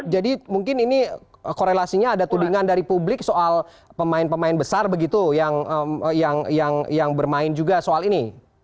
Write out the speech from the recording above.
jadi mungkin ini korelasinya ada tudingan dari publik soal pemain pemain besar begitu yang bermain juga soal ini